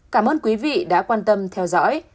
cảm ơn quý vị đã quan tâm theo dõi